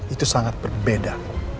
itu sangat berbeda